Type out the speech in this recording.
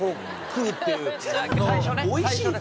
おいしいの？